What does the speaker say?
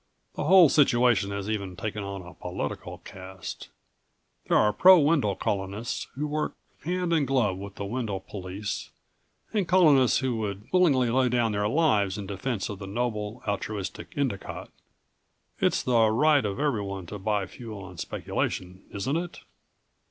The whole situation has even taken on a political cast. There are pro Wendel colonists, who work hand in glove with the Wendel police and colonists who would willingly lay down their lives in defense of noble, altruistic Endicott. It's the right of everyone to buy fuel on speculation, isn't it?"